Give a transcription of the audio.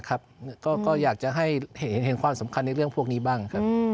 ก็อยากจะให้เห็นความสำคัญในเรื่องพวกนี้บ้างครับ